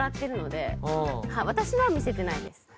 私のは見せてないです。